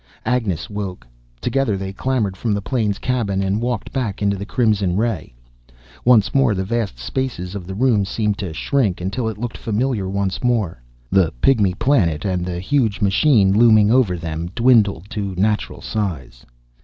Agnes woke. Together they clambered from the plane's cabin and walked back into the crimson ray. Once more the vast spaces of the room seemed to shrink, until it looked familiar once more. The Pygmy Planet, and the huge machine looming ever them, dwindled to natural size.